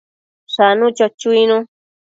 Shanu, cho chuinu